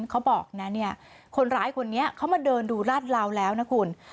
เขาบอกนะเนี่ยคนร้ายคนนี้เขามาเดินดูราดเหลาแล้วนะคุณ